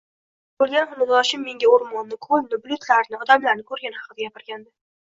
Anavi oʻlgan xonadoshim menga oʻrmonni, koʻlni, bulutlarni, odamlarni koʻrgani haqida gapirgandi